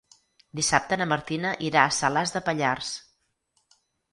Dissabte na Martina irà a Salàs de Pallars.